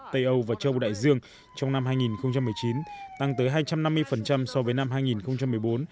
tây âu và châu đại dương trong năm hai nghìn một mươi chín tăng tới hai trăm năm mươi so với năm hai nghìn một mươi bốn